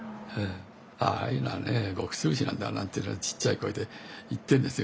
「ああいうのはね穀潰しなんだ」なんてちっちゃい声で言ってんですよ。